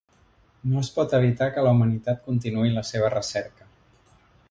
No es pot evitar que la humanitat continuï la seva recerca.